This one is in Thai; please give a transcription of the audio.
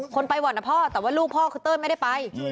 คนไปบ่อนนะพ่อแต่ว่าลูกพ่อคือเต้ยไม่ได้ไป